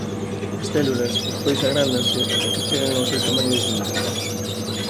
As células despois agrándanse ata que chegan ao seu tamaño definitivo.